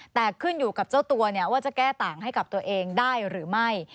แต่ขึ้นอยู่กับเจ้าตัวว่าจะแก้ต่างให้กับตัวเองได้หรือไม่